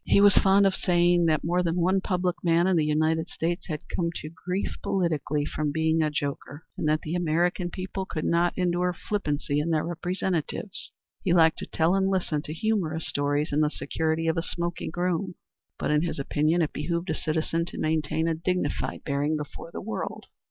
He was fond of saying that more than one public man in the United States had come to grief politically from being a joker, and that the American people could not endure flippancy in their representatives. He liked to tell and listen to humorous stories in the security of a smoking room, but in his opinion it behooved a citizen to maintain a dignified bearing before the world.